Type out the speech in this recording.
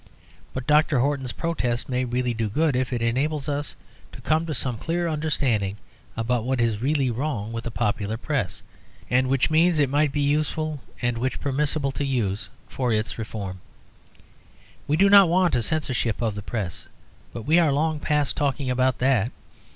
But Dr. Horton's protest may really do good if it enables us to come to some clear understanding about what is really wrong with the popular Press, and which means it might be useful and which permissible to use for its reform. We do not want a censorship of the Press; but we are long past talking about that.